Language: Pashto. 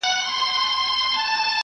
په تدریسي موادو کې اصلاحات راوستل کېږي.